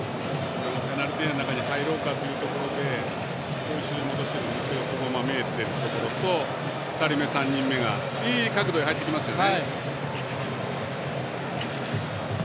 ペナルティーエリアの中に入ろうかというところで後ろに戻してるんですが見えているところと２人目、３人目がいい角度で入ってきますよね。